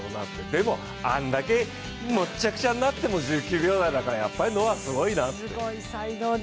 でも、あんだけ、むっちゃくちゃになっても１９秒台だからやっぱりノアすごいなって。